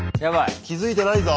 気付いてないぞ。